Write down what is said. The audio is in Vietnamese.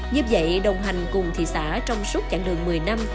như vậy đồng hành cùng thị xã trong suốt chặng đường một mươi năm